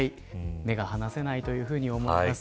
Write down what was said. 目が離せないというふうに思います。